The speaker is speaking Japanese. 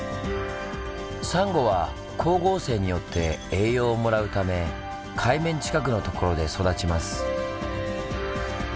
サンゴは光合成によって栄養をもらうため海面近くのところで育ちます。